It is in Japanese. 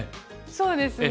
そうですね。